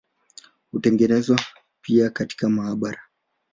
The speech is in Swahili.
Hutengenezwa pia katika maabara.